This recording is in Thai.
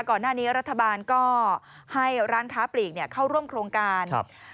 ก่อนหน้านี้รัฐบาลก็ให้ร้านค้าปลีกเข้าร่วมโครงการครับ